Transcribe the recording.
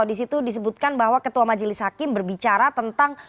di situ disebutkan bahwa ketua majelis hakim berbicara tentang